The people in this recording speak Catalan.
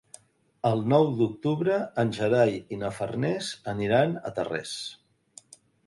El nou d'octubre en Gerai i na Farners aniran a Tarrés.